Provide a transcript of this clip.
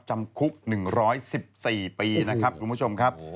จำคุก๑๑๔ปีนะครับคุณผู้ชมครับ